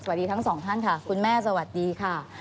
สวัสดีทั้งสองท่านค่ะคุณแม่สวัสดีค่ะ